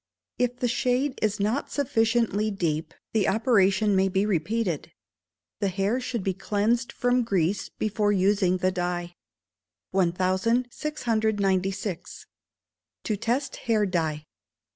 If the shade is not sufficiently deep, the operation may be repeated. The hair should be cleansed from grease before using the dye. 1696. To test Hair Dye.